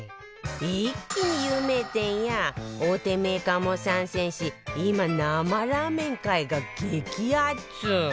一気に有名店や大手メーカーも参戦し今生ラーメン界が激アツ